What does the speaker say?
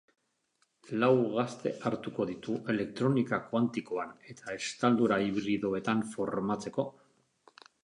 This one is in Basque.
Lau gazte hartuko ditu elektronika kuantikoan eta estaldura hibridoetan formatzeko.